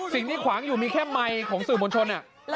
สิ่งที่ขวางอยู่มีแค่ไมค์ของสื่อมงชล